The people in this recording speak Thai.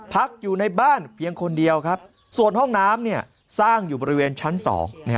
พักอยู่ในบ้านเพียงคนเดียวครับส่วนห้องน้ำสร้างอยู่บริเวณชั้นสอง